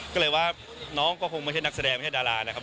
ก็เลยว่าน้องก็คงไม่ใช่นักแสดงไม่ใช่ดารานะครับ